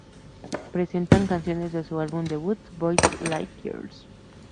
Presenta canciones de su álbum debut, "Boys Like Girls".